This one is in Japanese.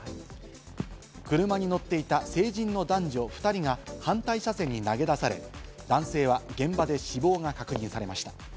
車に乗っていた成人の男女２人が反対車線に投げ出され、男性は現場で死亡が確認されました。